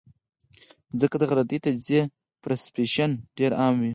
ځکه د غلطې تجزئې پرسپشن ډېر عام وي -